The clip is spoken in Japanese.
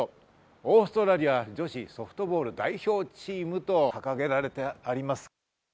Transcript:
オーストラリア女子ソフトボール代表チーム」と掲げられてあります。